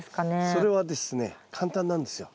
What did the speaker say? それはですね簡単なんですよ。